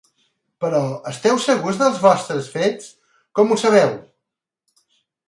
Però esteu segurs dels vostres fets? Com ho sabeu?